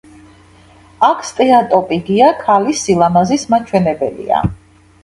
აქ სტეატოპიგია ქალის სილამაზის მაჩვენებელია.